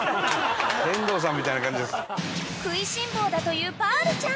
［食いしん坊だというパールちゃん］